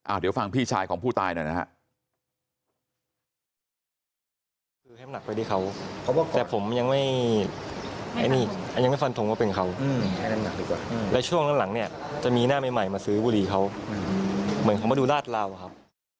อ้าวเดี๋ยวฟังพี่ชายของผู้ตายหน่อยนะครับ